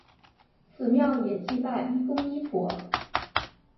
此庙也祭拜医公医婆。